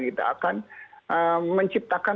kita akan menciptakan